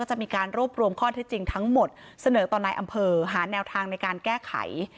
จะมีการรวบรวมข้อเท็จจริงทั้งหมดเสนอต่อนายอำเภอหาแนวทางในการแก้ไข